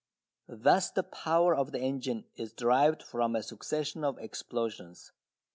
Thus the power of the engine is derived from a succession of explosions.